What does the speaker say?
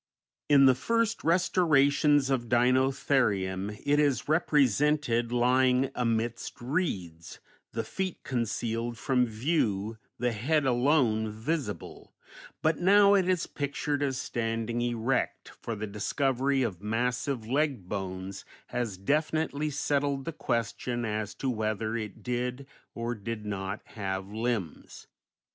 In the first restorations of Dinotherium it is represented lying amidst reeds, the feet concealed from view, the head alone visible, but now it is pictured as standing erect, for the discovery of massive leg bones has definitely settled the question as to whether it did or did not have limbs.